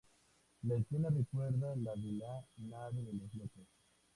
La escena recuerda la de "La nave de los locos".